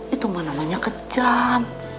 itu mau namanya kejam